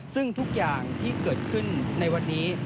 ซึ่งทุกอย่างที่เกิดขึ้นในวันนี้